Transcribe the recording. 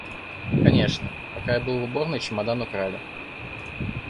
Конечно, пока я был в уборной, чемодан украли.